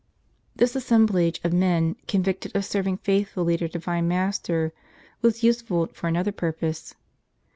This assemblage of men, convicted of serving faithfully their divine Master, was useful for another purpose.